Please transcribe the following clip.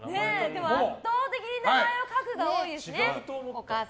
でも、圧倒的に名前を書くが多いですね。